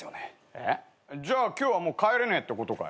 えっ？じゃあ今日はもう帰れねえってことかよ。